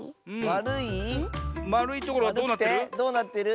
まるいところはどうなってる？